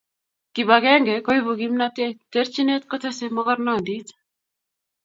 Kipakenge koipu kimnatet ,terchinet kotesei mokornondit